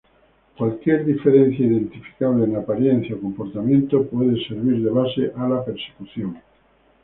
Cualquier diferencia identificable en apariencia o comportamiento puede servir de base a la persecución.